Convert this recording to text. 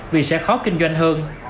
vì sẽ khó kinh doanh hơn